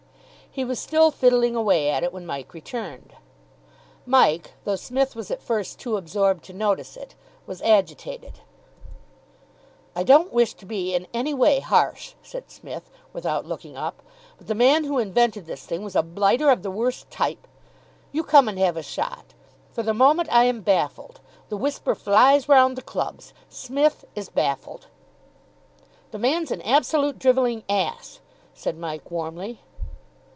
He was still fiddling away at it when Mike returned. Mike, though Psmith was at first too absorbed to notice it, was agitated. "I don't wish to be in any way harsh," said Psmith, without looking up, "but the man who invented this thing was a blighter of the worst type. You come and have a shot. For the moment I am baffled. The whisper flies round the clubs, 'Psmith is baffled.'" "The man's an absolute drivelling ass," said Mike warmly.